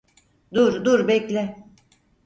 Dur, dur, bekle.